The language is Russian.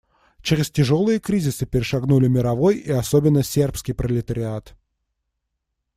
Через тяжелые кризисы перешагнули мировой и особенно сербский пролетариат.